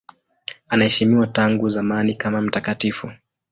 Anaheshimiwa tangu zamani kama mtakatifu.